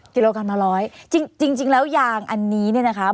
กิโลกรัมละร้อยจริงจริงแล้วยางอันนี้เนี่ยนะคะ